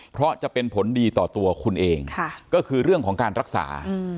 เพราะจะเป็นผลดีต่อตัวคุณเองก็คือเรื่องของการรักษา